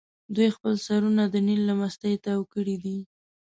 دوی خپل سرونه د نیل له مستۍ تاو کړي دي.